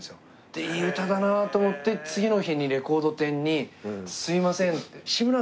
でいい歌だなと思って次の日にレコード店にすいませんって。